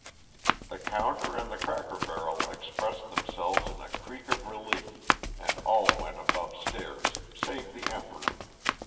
The counter and the cracker barrel expressed themselves in a creak of relief, and all went abovestairs save the Emperor.